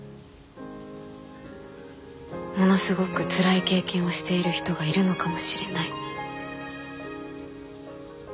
ものすごくつらい経験をしている人がいるのかもしれない。